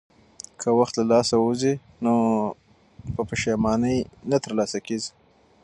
که وخت له لاسه ووځي نو په پښېمانۍ نه ترلاسه کېږي.